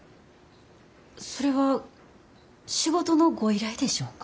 それは仕事のご依頼でしょうか？